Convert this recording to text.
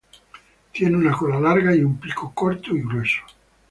Tiene una cola larga y un pico corto y grueso.